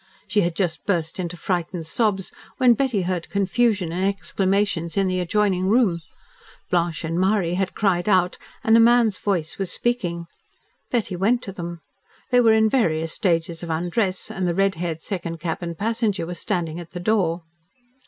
She had just burst into frightened sobs, when Betty heard confusion and exclamations in the adjoining room. Blanche and Marie had cried out, and a man's voice was speaking. Betty went to them. They were in various stages of undress, and the red haired second cabin passenger was standing at the door.